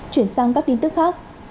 chuyển sang các tin tức khác